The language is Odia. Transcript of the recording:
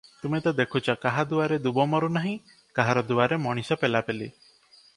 ତୁମେ ତ ଦେଖୁଛ, କାହା ଦୁଆରେ ଦୂବ ମରୁ ନାହିଁ, କାହାର ଦୁଆରେ ମଣିଷ ପେଲାପେଲି ।